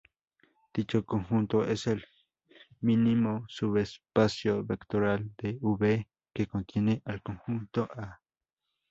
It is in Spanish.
Dicho conjunto es el mínimo subespacio vectorial de "V" que contiene al conjunto "A".